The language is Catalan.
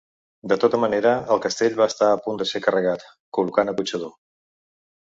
De tota manera el castell va estar a punt de ser carregat, col·locant acotxador.